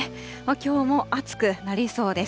きょうも暑くなりそうです。